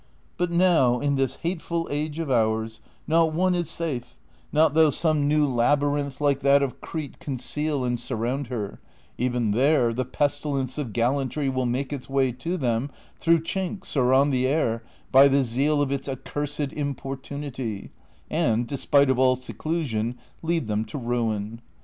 But now, in this hateful age of ours, not one is safe, not though some new labyrinth like that of Crete conceal and sur round her ; even there the pestilence of gallantry will make its way to them through chinks or on the air by the zeal of its accursed importunity, and, despite of all seclusion, lead them to ruin.